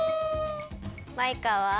マイカは？